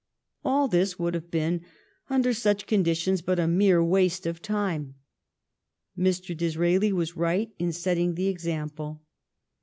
All this would have been, under such conditions, but a mere waste of time. Mr. Dis raeli was right in setting the example.